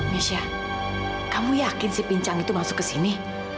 misha kamu yakin si pincang itu masuk ke sini